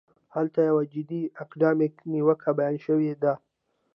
هلته یوه جدي اکاډمیکه نیوکه بیان شوې ده.